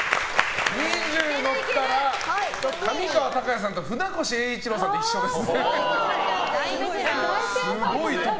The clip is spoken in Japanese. ２０のったら上川隆也さんと船越英一郎さんと一緒です。